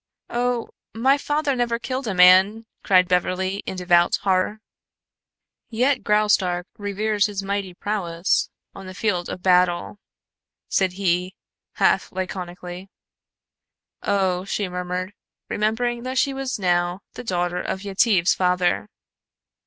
"Oh, my father never killed a man!" cried Beverly, in devout horror. "Yet Graustark reveres his mighty prowess on the field of battle," said he, half laconically. "Oh," she murmured, remembering that she was now the daughter of Yetive's father.